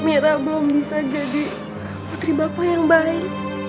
mira belum bisa jadi putri bapak yang baik